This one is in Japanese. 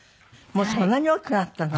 もうそんなに大きくなったの？